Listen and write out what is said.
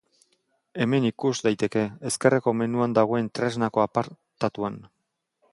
Hemen ikus daiteke, ezkerreko menuan dagoen tresnako apartatuan.